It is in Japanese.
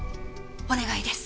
お願いです。